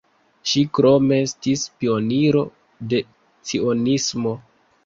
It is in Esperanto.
Ŝi krome estis pioniro de cionismo.